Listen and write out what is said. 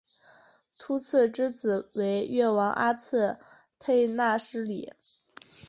秃剌之子为越王阿剌忒纳失里。